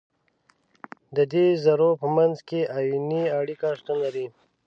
د دې ذرو په منځ کې آیوني اړیکه شتون لري.